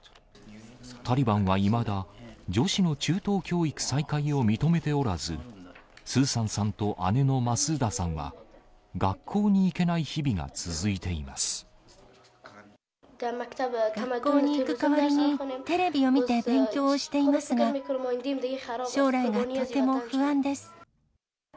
タリバンはいまだ女子の中等教育再開を認めておらず、スーサンさんと姉のマスーダさんは、学校に行けない日々が続いて学校に行く代わりに、テレビを見て勉強をしていますが、将来がとても不安です。